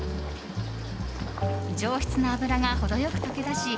上質な脂が、程良く溶け出し